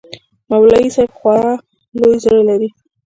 مولوى صاحب خورا لوى زړه لري.